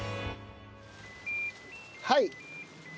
はい！